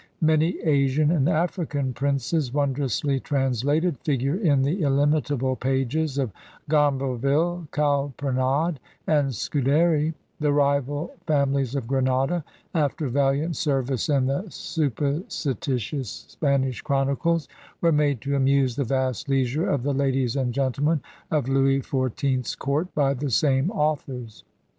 Many Asian and African princes, wondrously translated, figure in the illimitable pages of Gomberville, Calprenade, and Scuderi ; the rival fami lies of Granada, after valismt service in the suppositi tious Spanish chronicles, were made to amuse the vast leisure of the ladies and gentlemen of Louis XIV. 's court by the same authors.